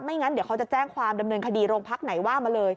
งั้นเดี๋ยวเขาจะแจ้งความดำเนินคดีโรงพักไหนว่ามาเลย